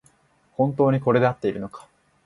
本当にこれであっているのか